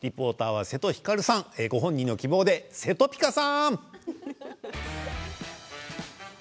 リポーターは瀬戸光さんご本人の希望でせとぴかさん。